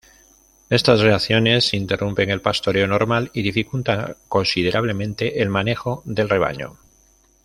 Estas reacciones interrumpen el pastoreo normal y dificultan considerablemente el manejo del rebaño.